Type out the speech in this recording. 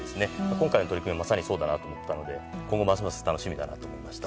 今回の取り組みもまさにそういうものだと思ったので今後ますます楽しみだなと思いました。